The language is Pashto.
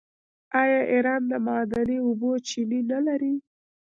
آیا ایران د معدني اوبو چینې نلري؟